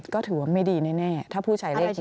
ก็ถือว่าไม่ดีแน่ถ้าผู้ใช้เลขนี้